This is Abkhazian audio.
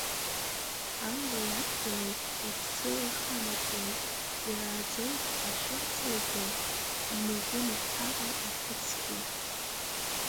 Амреи адгьыли рыԥсы рханаҵоит, ирааӡоит ашәыр ҵлагьы имаӷы мацароу ақәыцгьы.